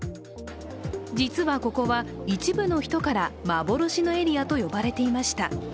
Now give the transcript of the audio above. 実はここは、一部の人から幻のエリアと呼ばれていました。